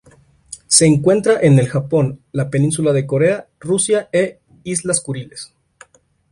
Se encuentra en el Japón, la Península de Corea, Rusia e Islas Kuriles.